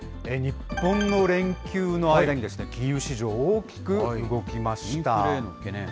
日本の連休の間に金融市場、大きく動きました。